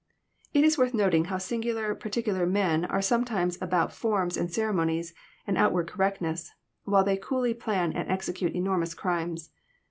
It is worth noting how singular particular men are some times about forms and ceremonies, and outward correctness, while they coolly plan and execute enormous crimes.